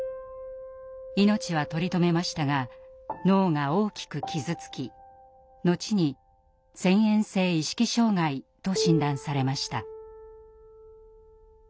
命は取り留めましたが脳が大きく傷つき後に「遷延性意識障害」と診断されました。